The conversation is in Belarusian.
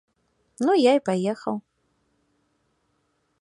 Ну я і паехаў.